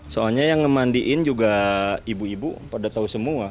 soalnya yang ngemandiin juga ibu ibu pada tahu semua